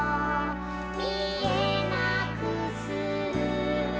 「みえなくする」